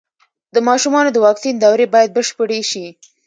د ماشومانو د واکسین دورې بايد بشپړې شي.